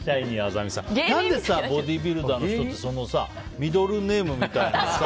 何でボディービルダーの人ってミドルネームみたいなの。